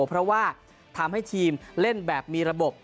เพราะว่าทำให้ทีมเล่นแบบมีระบบ